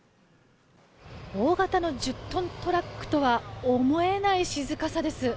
大型の１０トントラックとは思えない静かさです。